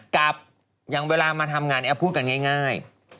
กับอย่างเวลามาทำงานแอฟพูดกันง่าย